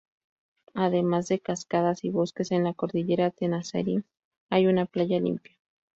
Además de cascadas y bosques en la cordillera Tenasserim, hay una playa limpia.